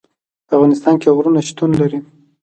په افغانستان کې غرونه شتون لري.